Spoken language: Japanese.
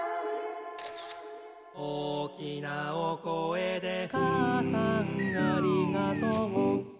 「おーきなおこえでかあさんありがとう」